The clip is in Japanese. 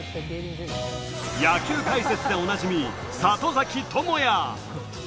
野球解説でおなじみ里崎智也。